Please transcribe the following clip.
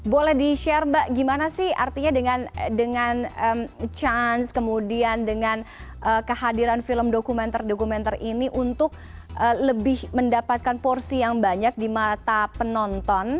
boleh di share mbak gimana sih artinya dengan chance kemudian dengan kehadiran film dokumenter dokumen dokumenter ini untuk lebih mendapatkan porsi yang banyak di mata penonton